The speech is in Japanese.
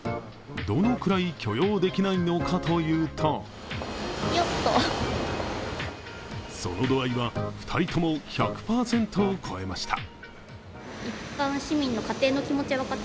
どのくらい許容できないのかというとその度合いは、２人とも１００％を超えました。